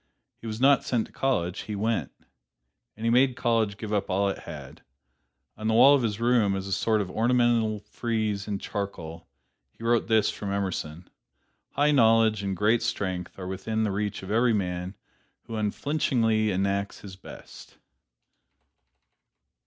He was not sent to college: he went. And he made college give up all it had. On the wall of his room, as a sort of ornamental frieze in charcoal, he wrote this from Emerson: "High knowledge and great strength are within the reach of every man who unflinchingly enacts his best."